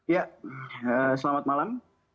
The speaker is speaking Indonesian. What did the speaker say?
ya selamat malam